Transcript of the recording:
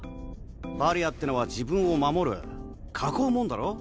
バリアってのは自分を守る囲うもんだろ？